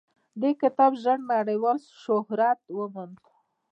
دې کتاب ژر نړیوال شهرت وموند.